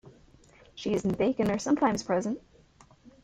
Cheese and bacon are sometimes present.